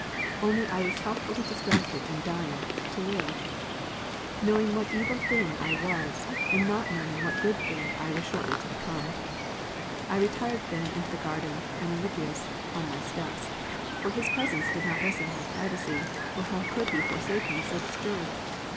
Only I was healthfully distracted and dying, to live; knowing what evil thing I was, and not knowing what good thing I was shortly to become. I retired then into the garden, and Alypius, on my steps. For his presence did not lessen my privacy ; or how could he forsake me so disturbed